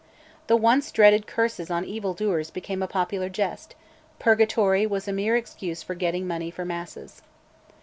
The once dreaded curses on evil doers became a popular jest: purgatory was a mere excuse for getting money for masses.